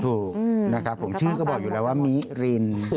ถูกนะครับผมชื่อก็บอกอยู่แล้วว่ามิริน